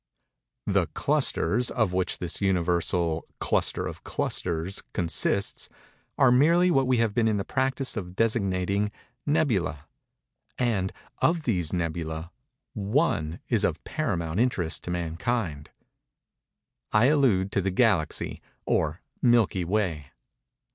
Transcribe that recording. The "clusters" of which this Universal "cluster of clusters" consists, are merely what we have been in the practice of designating "nebulæ"—and, of these "nebulæ," one is of paramount interest to mankind. I allude to the Galaxy, or Milky Way.